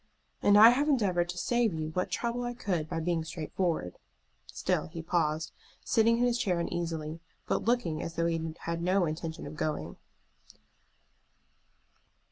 "And I have endeavored to save you what trouble I could by being straightforward." Still he paused, sitting in his chair uneasily, but looking as though he had no intention of going.